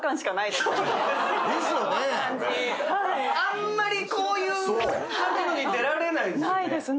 あんまりこういう番組に出られないですよね？